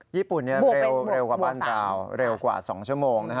ญี่ปุ่นเร็วกว่าบ้านเราเร็วกว่า๒ชั่วโมง